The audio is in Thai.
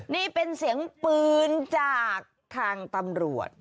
นี่เป็นเสียงปืนจากทางตำรวจ